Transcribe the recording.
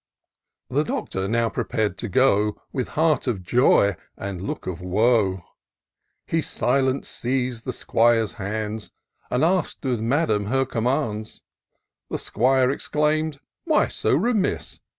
I The Doctor now prepar'd to go, 'With heart of joy, and look of woe ; 130 TOUR OF DOCTOR SYNTAX He silent squeez'd the 'Squire's hands, And ask'd of Madam her commands. The 'Squire exclaim'd, " Why so remiss